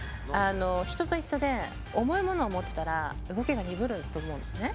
人と一緒で重いものを持ってたら動きが鈍ると思うんですね。